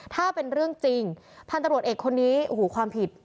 ถ้าเป็นเรื่องจริงพันธุ์ตำรวจเอกคนนี้โอ้โหความผิด